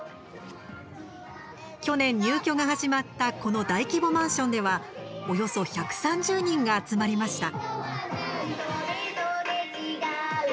去年、入居が始まったこの大規模マンションではおよそ１３０人が集まりました。